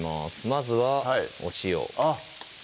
まずはお塩あっ